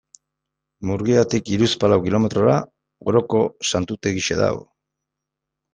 Murgiatik hiruzpalau kilometrora Oroko Santutegia dago.